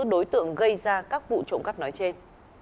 đối tượng gây ra các vụ trộm cắp nói trên